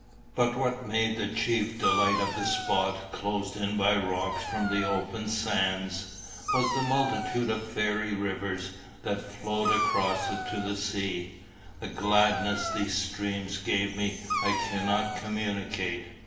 But what made the chief delight of the spot, closed in by rocks from the open sands, was the multitude of fairy rivers that flowed across it to the sea. The gladness these streams gave me I cannot communicate.